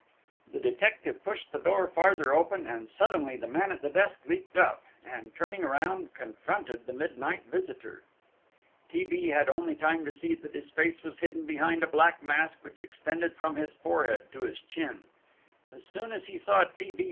The detective pushed the door farther open, and suddenly the man at the desk leapt up, and turning round, confronted the midnight visitor. T. B. had only time to see that his face was hidden behind a black mask which extended from his forehead to his chin. As soon as he saw T. B.